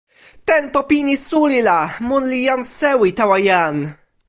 tenpo pini suli la, mun li jan sewi tawa jan.